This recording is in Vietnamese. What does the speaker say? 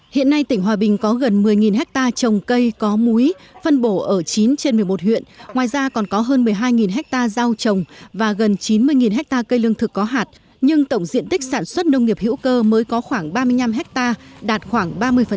hiện nay tỉnh hòa bình có gần một mươi hectare trồng cây có múi phân bổ ở chín trên một mươi một huyện ngoài ra còn có hơn một mươi hai ha rau trồng và gần chín mươi ha cây lương thực có hạt nhưng tổng diện tích sản xuất nông nghiệp hữu cơ mới có khoảng ba mươi năm ha đạt khoảng ba mươi